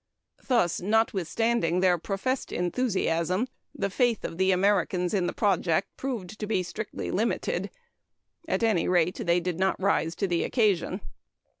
Thus, notwithstanding their professed enthusiasm, the faith of the Americans in the project proved to be strictly limited. At any rate, they did not rise to the occasion.